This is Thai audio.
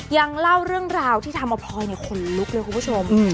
ยังเล่าเรื่องราวที่ทำเอาพลอยขนลุกเลยคุณผู้ชม